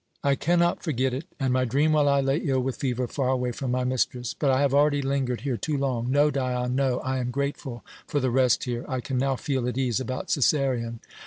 I cannot forget it. And my dream, while I lay ill with fever far away from my mistress! But I have already lingered here too long. No, Dion, no. I am grateful for the rest here I can now feel at ease about Cæsarion.